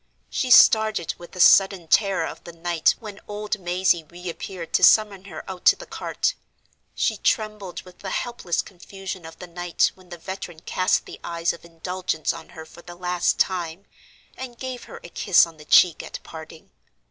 She started with the sudden terror of the night when old Mazey re appeared to summon her out to the cart. She trembled with the helpless confusion of the night when the veteran cast the eyes of indulgence on her for the last time, and gave her a kiss on the cheek at parting.